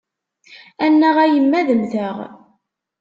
Annaɣ a yemma ad mmteɣ.